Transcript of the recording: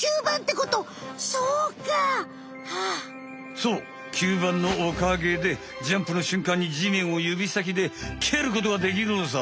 そう吸盤のおかげでジャンプのしゅんかんにじめんをゆびさきでけることができるのさ。